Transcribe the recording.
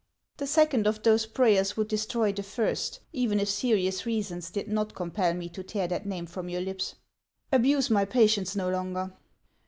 " The second of those prayers would destroy the first, even if serious reasons did not compel me to tear that name from your lips. Abuse my patience no longer."